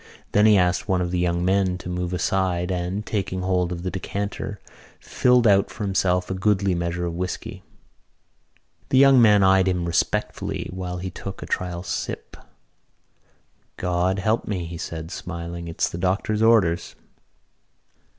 Then he asked one of the young men to move aside, and, taking hold of the decanter, filled out for himself a goodly measure of whisky. The young men eyed him respectfully while he took a trial sip. "God help me," he said, smiling, "it's the doctor's orders."